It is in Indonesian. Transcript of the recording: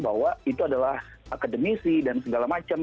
bahwa itu adalah akademisi dan segala macam